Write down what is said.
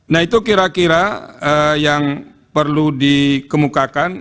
nah itu kira kira yang perlu dikemukakan